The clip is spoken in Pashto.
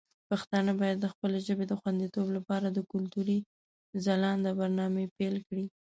پښتانه باید د خپلې ژبې د خوندیتوب لپاره د کلتوري ځلانده برنامې پیل کړي.